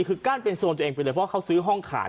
คือกั้นเป็นโซนตัวเองไปเลยเพราะเขาซื้อห้องขาด